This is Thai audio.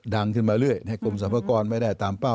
ดังขึ้นมาเรื่อยให้กรมสรรพากรไม่ได้ตามเป้า